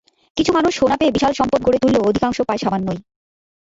কিছু মানুষ সোনা পেয়ে বিশাল সম্পদ গড়ে তুললেও অধিকাংশ পায় সামান্যই।